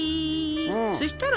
そしたら？